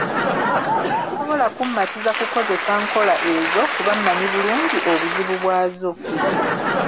Tosobola kummatiza kukozesa nkola ezo kuba manyi bulungi obuzibu bwazo.